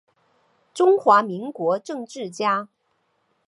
中华民国政治家。